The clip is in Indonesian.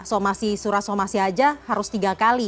surah surah saja harus tiga kali